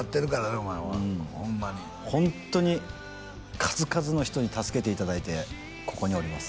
お前はホンマにホントに数々の人に助けていただいてここにおります